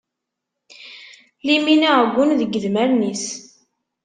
Limin uɛeggun deg idmaren is.